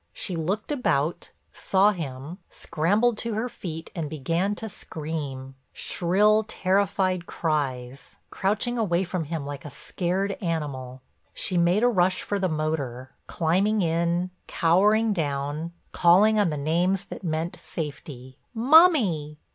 She looked about, saw him, scrambled to her feet and began to scream, shrill, terrified cries, crouching away from him like a scared animal. She made a rush for the motor, climbing in, cowering down, calling on the names that meant safety: "Mummy!